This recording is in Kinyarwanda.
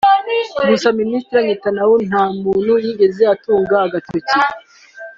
Gusa Minisitiri Netanyahu nta muntu yigeze atunga agatoki